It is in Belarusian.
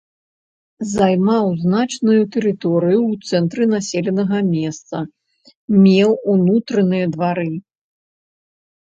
Займаў значную тэрыторыю ў цэнтры населенага месца, меў унутраныя двары.